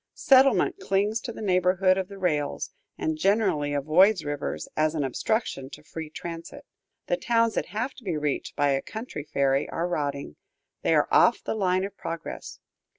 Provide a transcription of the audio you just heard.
Settlement clings to the neighborhood of the rails, and generally avoids rivers as an obstruction to free transit. The towns that have to be reached by a country ferry are rotting, they are off the line of progress.